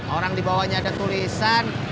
orang dibawanya ada tulisan